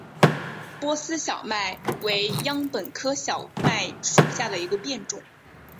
波斯小麦为禾本科小麦属下的一个变种。